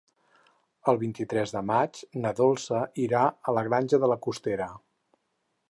El vint-i-tres de maig na Dolça irà a la Granja de la Costera.